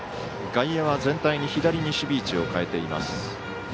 外野は全体に左に守備位置を変えています。